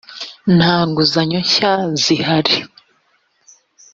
nta nguzanyo nshya zihari.